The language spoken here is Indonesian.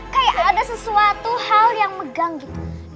kayak ada sesuatu hal yang megang gitu